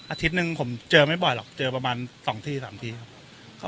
อาทิตย์หนึ่งผมเจอไม่บ่อยหรอกเจอประมาณ๒ที๓ทีครับ